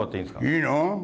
いいの？